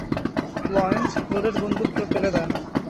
লয়েন্ড, loaded বন্দুক কেউ ফেলে দেয় না।